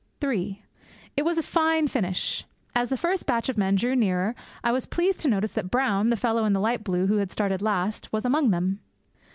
III It was a fine finish. As the first batch of men drew nearer I was pleased to notice that Brown, the fellow in light blue, who had started last, was among them.